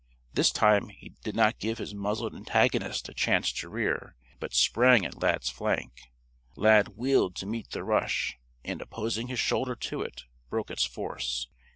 This time he did not give his muzzled antagonist a chance to rear, but sprang at Lad's flank. Lad wheeled to meet the rush and, opposing his shoulder to it, broke its force.